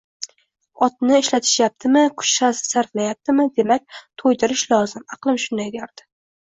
Otni ishlatishyaptimi, kuch sarflayaptimi, demak, to`ydirish lozim aqlim shunday derdi